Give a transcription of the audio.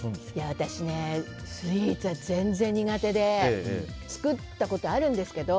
私ね、スイーツは全然苦手で作ったことあるんですけど。